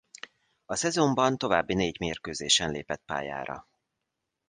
A szezonban további négy mérkőzésen lépett pályára.